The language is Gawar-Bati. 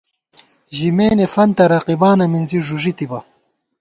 ژِمېنےفنتہ رقیبانہ مِنزی ݫُݫِی تِبہ